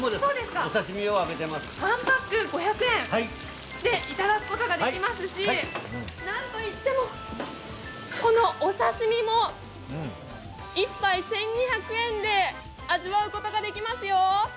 １パック５００円でいただくことができますし、なんといっても、このお刺身も１杯１２００円で味わうことができますよ。